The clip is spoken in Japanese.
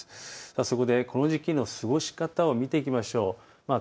そこでこの時期の過ごし方を見ていきましょう。